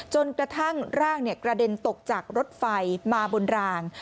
จนกระทั่งร่างกระเด็นตกจากรถไฟมาบนราง